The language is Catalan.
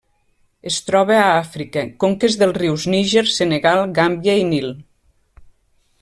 Es troba a Àfrica: conques dels rius Níger, Senegal, Gàmbia i Nil.